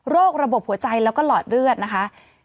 ระบบหัวใจแล้วก็หลอดเลือดนะคะ